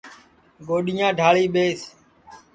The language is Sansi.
گوڈِؔیاں ڈؔݪی ٻیس